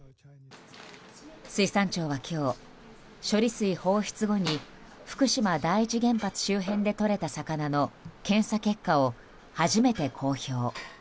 水産庁は今日、処理水放出後に福島第一原発周辺でとれた魚の検査結果を初めて公表。